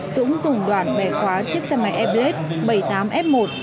dũng dùng đoạn bẻ khóa chiếc xe máy airblade bảy mươi tám f một ba mươi ba nghìn bảy trăm một mươi bảy